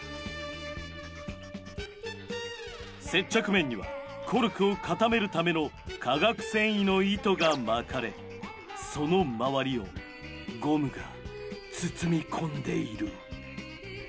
接着面にはコルクを固めるための化学繊維の糸が巻かれその周りをゴムが包み込んでいる。